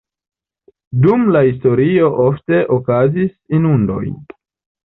Dum la historio ofte okazis inundoj.